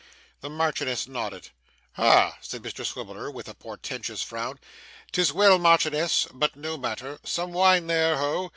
The Marchioness nodded. 'Ha!' said Mr Swiveller, with a portentous frown. ''Tis well. Marchioness! but no matter. Some wine there. Ho!